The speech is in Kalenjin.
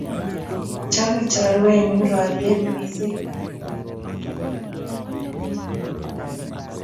chame chorwenyu roriet mising